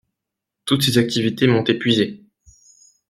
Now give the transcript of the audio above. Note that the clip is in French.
Toutes ces activités m'ont épuisé.